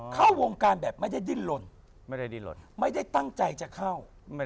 เข้าวงการแบบไม่ได้ดินลนไม่ได้ตั้งใจจะเข้า